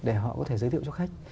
để họ có thể giới thiệu cho khách